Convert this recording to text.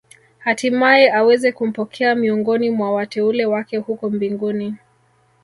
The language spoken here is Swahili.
Hatimae aweze kumpokea miongoni mwa wateule wake huko mbinguni